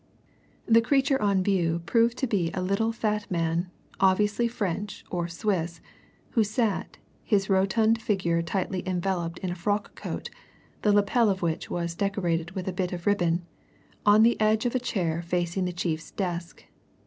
The creature on view proved to be a little fat man, obviously French or Swiss, who sat, his rotund figure tightly enveloped in a frock coat, the lapel of which was decorated with a bit of ribbon, on the edge of a chair facing the chief's desk.